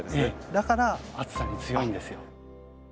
だから暑さに強いんですよ。